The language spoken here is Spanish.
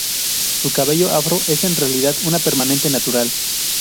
Su cabello afro es en realidad una permanente natural.